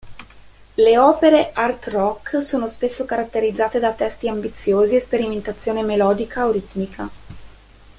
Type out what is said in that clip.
Le opere art-rock sono spesso caratterizzate da testi ambiziosi e sperimentazione melodica o ritmica.